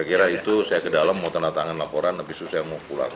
saya kira itu saya ke dalam mau tanda tangan laporan abis itu saya mau pulang